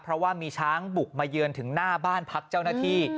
เพราะว่ามีช้างบุกมาเยือนถึงหน้าบ้านพักเจ้าหน้าที่